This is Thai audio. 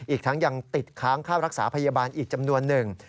อีกทั้งยังติดค้างค่ารักษาพยาบาลอีกจำนวนหนึ่ง